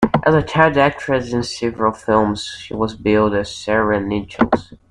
As a child actress in several films she was billed as Sarah Nicholls.